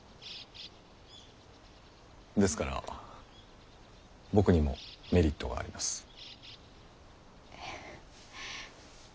ですから僕にもメリットがあります。